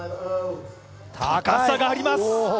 高さがあります。